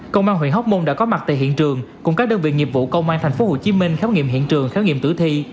công an huyện hóc môn đã có mặt tại hiện trường cùng các đơn vị nghiệp vụ công an tp hcm khám nghiệm hiện trường khám nghiệm tử thi